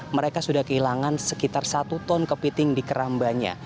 mereka sudah kehilangan sekitar satu ton kepiting di kerambanya